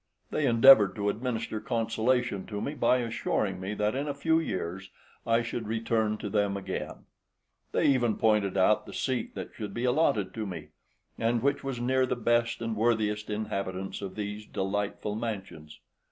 They endeavoured to administer consolation to me by assuring me that in a few years I should return to them again; they even pointed out the seat that should be allotted to me, and which was near the best and worthiest inhabitants of these delightful mansions.